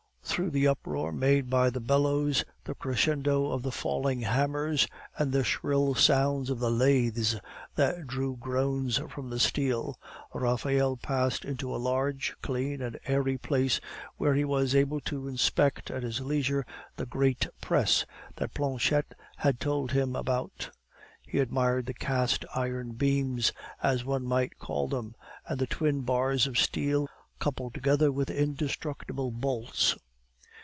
Through the uproar made by the bellows, the crescendo of the falling hammers, and the shrill sounds of the lathes that drew groans from the steel, Raphael passed into a large, clean, and airy place where he was able to inspect at his leisure the great press that Planchette had told him about. He admired the cast iron beams, as one might call them, and the twin bars of steel coupled together with indestructible bolts.